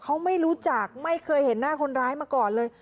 เขาไม่รู้จักไม่เคยเห็นหน้าคนร้ายมาก่อนเลย